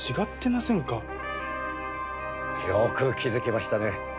よく気づきましたね。